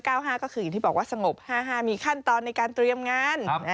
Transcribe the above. ก็คืออย่างที่บอกว่าสงบ๕๕มีขั้นตอนในการเตรียมงาน